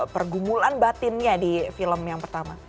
pergumulan batinnya di film yang pertama